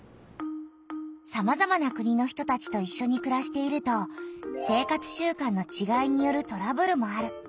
さまざまな国の人たちといっしょにくらしていると生活習慣のちがいによるトラブルもある。